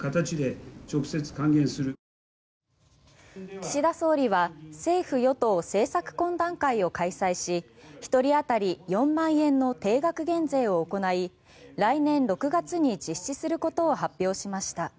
岸田総理は政府与党政策懇談会を開催し１人当たり４万円の定額減税を行い来年６月に実施することを発表しました。